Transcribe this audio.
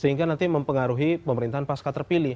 sehingga nanti mempengaruhi pemerintahan pasca terpilih